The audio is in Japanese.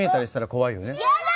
やだ。